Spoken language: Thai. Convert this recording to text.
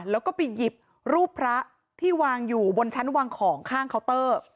แล้วก็ไปหยิบรูปพระที่วางอยู่บนชั้นวางของข้างเคาน์เตอร์